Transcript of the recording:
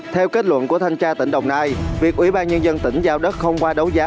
theo kết luận của thanh tra tỉnh đồng nai việc ủy ban nhân dân tỉnh giao đất không qua đấu giá